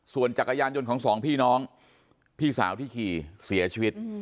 ส่วนจักรยานยนต์ของสองพี่น้องพี่สาวที่ขี่เสียชีวิต